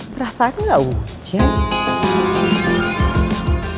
berasa aku nggak ujian